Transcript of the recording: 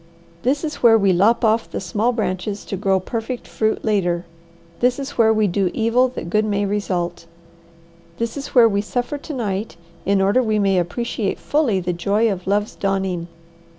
"This is where we lop off the small branches to grow perfect fruit later. This is where we do evil that good may result. This is where we suffer to night in order we may appreciate fully the joy of love's dawning.